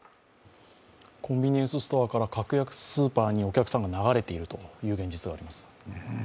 コンビニエンスストアから格安スーパーにお客さんが流れているという現実があります。